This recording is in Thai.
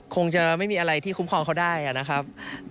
คงจะไม่มีอะไรที่คุ้มครองเขาได้นะครับ